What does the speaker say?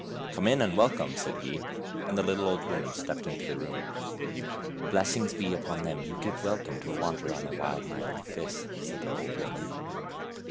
" Come in, and welcome," said he, and the lit tle old woman stepped into the room. " Blessings be on them who give welcome to a wanderer on a wild night like this," said the old woman.